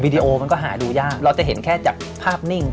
ดีโอมันก็หาดูยากเราจะเห็นแค่จากภาพนิ่ง